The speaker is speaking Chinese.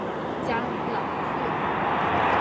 加朗特。